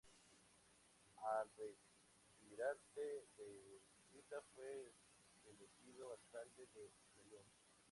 Al retirarse de ciclista fue elegido alcalde de Melun.